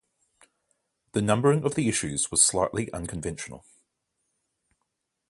The numbering of the issues was slightly unconventional.